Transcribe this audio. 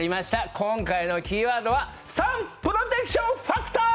今回のキーワードは、サンプロテクションファクター！